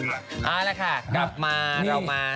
เอาละค่ะกลับมาเรามา